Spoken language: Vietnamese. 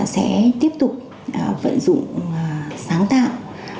sẽ tiếp tục vận dụng sáng tạo